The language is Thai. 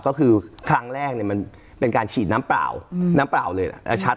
ก็คือครั้งแรกเนี่ยมันเป็นการฉีดน้ำเปล่าน้ำเปล่าเลยชัด